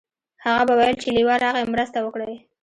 هغه به ویل چې لیوه راغی مرسته وکړئ.